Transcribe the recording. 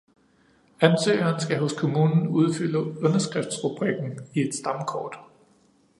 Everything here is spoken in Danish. Ansøgeren skal hos kommunen udfylde underskriftsrubrikken i et stamkort